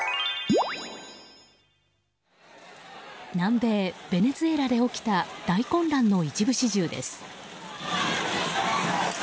南米ベネズエラで起きた大混乱の一部始終です。